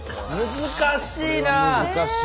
難しいな！